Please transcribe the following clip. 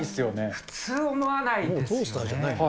普通思わないですね。